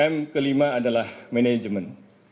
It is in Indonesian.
m kelima adalah manajemen